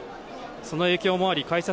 その影響もあり改札